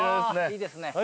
いいですね。